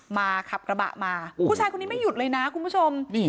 ขับกระบะมาผู้ชายคนนี้ไม่หยุดเลยนะคุณผู้ชม